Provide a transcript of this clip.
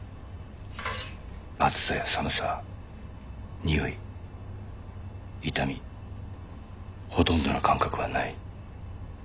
暑さや寒さにおい痛みほとんどの感覚はない。